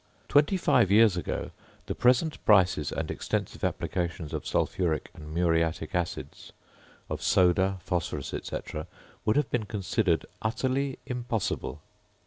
Twenty five years ago, the present prices and extensive applications of sulphuric and muriatic acids, of soda, phosphorus, &c., would have been considered utterly impossible.